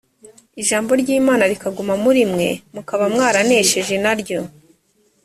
ijambo ryimana rikaguma muri mwe mukaba mwaranesheje naryo